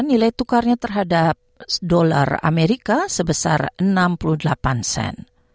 nilai tukarnya terhadap dolar amerika sebesar enam puluh delapan sen